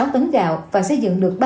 sáu tấn gạo và xây dựng được